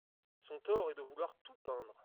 Son tort est de vouloir tout peindre.